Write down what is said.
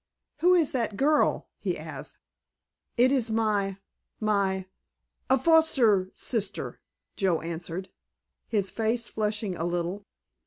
"Who is that girl?" he asked. "It is my—my—a—foster—sister," Joe answered, his face flushing a little.